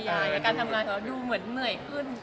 ในการทำงานของเราดูเหมือนเหนื่อยขึ้น